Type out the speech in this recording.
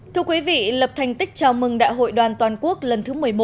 thưa quý vị lập thành tích chào mừng đại hội đoàn toàn quốc lần thứ một mươi một